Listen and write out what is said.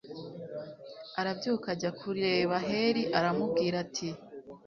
arabyuka ajya kureba heli, aramubwira ati